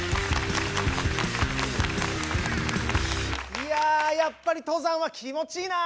いややっぱり登山は気持ちいいな！